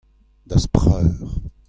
d'az preur.